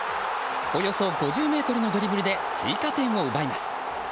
およそ５０ｍのドリブルで追加点を奪います。